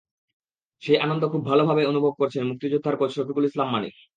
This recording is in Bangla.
সেই আনন্দ খুব ভালোই অনুভব করছেন মুক্তিযোদ্ধার কোচ শফিকুল ইসলাম মানিক।